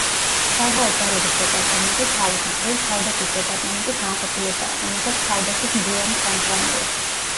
საზღვაო ძალების დეპარტამენტი, თავის მხრივ, თავდაცვის დეპარტამენტის განყოფილებაა, რომელსაც თავდაცვის მდივანი ხელმძღვანელობს.